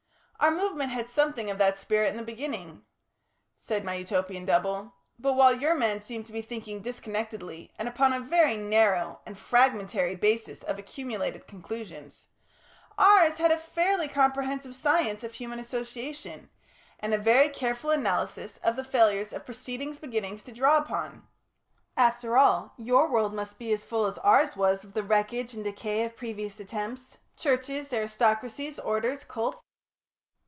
"Our movement had something of that spirit in the beginning," said my Utopian double. "But while your men seem to be thinking disconnectedly, and upon a very narrow and fragmentary basis of accumulated conclusions, ours had a fairly comprehensive science of human association, and a very careful analysis of the failures of preceding beginnings to draw upon. After all, your world must be as full as ours was of the wreckage and decay of previous attempts; churches, aristocracies, orders, cults...."